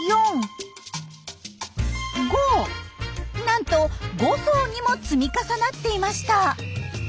なんと５層にも積み重なっていました。